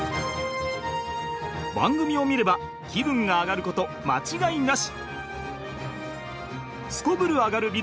番組を見れば気分がアガること間違いなし！